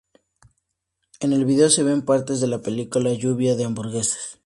En el vídeo se ven partes de la película Lluvia De Hamburguesas.